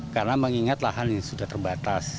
karena mengingat lahan ini sudah terbatas